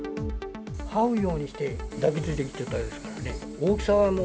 はうようにして抱きついてきちゃったですからね。